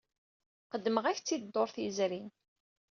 Qeddmeɣ-ak-tt-id dduṛt yezrin.